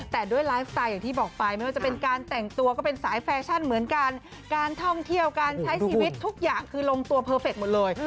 แต่ด้วยไลฟ์สไตล์อย่างที่บอกไปไม่ว่าจะเป็นการแต่งตัวก็เป็นสายแฟชั่นเหมือนกันการท่องเที่ยวการใช้ชีวิตทุกอย่างคือลงตัวเพอร์เฟคหมดเลย